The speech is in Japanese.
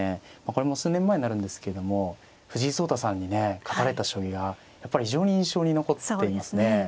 これも数年前になるんですけれども藤井聡太さんにね勝たれた将棋がやっぱり非常に印象に残っていますね。